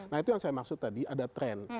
nah itu yang saya maksud tadi ada tren